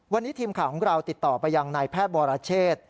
วันนี้ทีมข่าวของเราติดต่อไปยังนายแพทย์วรเชษ